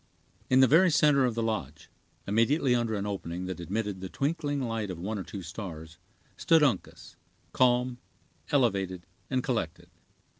In the very center of the lodge, immediately under an opening that admitted the twinkling light of one or two stars, stood Uncas, calm, elevated, and collected.